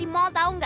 kita ke mal aja yuk